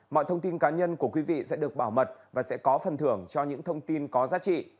mọi thông tin cá nhân của quý vị sẽ được bảo mật và sẽ có phần thưởng cho những thông tin có giá trị